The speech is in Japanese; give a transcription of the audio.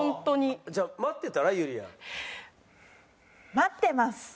待ってます。